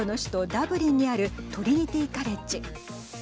ダブリンにあるトリニティ・カレッジ。